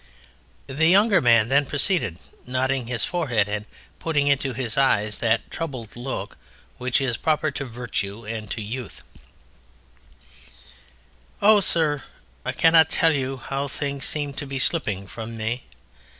The Younger Man then proceeded, knotting his forehead and putting into his eyes that troubled look which is proper to virtue and to youth: "Oh, Sir! I cannot tell you how things seem to be slipping from me!